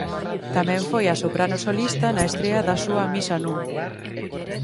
Tamén foi a soprano solista na estrea da súa "Misa núm.